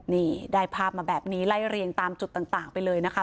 นี่ได้ภาพมาแบบนี้ไล่เรียงตามจุดต่างไปเลยนะคะ